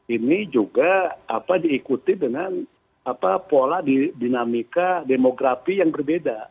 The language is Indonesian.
ini juga diikuti dengan pola dinamika demografi yang berbeda